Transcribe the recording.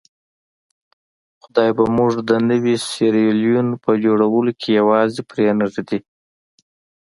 خدای به موږ د نوي سیریلیون په جوړولو کې یوازې پرې نه ږدي.